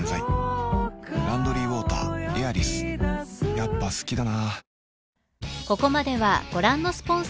やっぱ好きだな